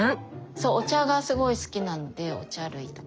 そうお茶がすごい好きなんでお茶類とか。